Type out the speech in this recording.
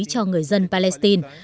cho người dân palestine